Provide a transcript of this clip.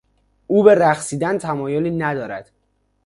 او به رقصیدن تمایلی ندارد.